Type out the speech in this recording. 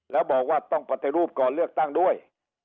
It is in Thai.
แล้วบอกว่าต้องปฏิรูปก่อนเลือกตั้งด้วย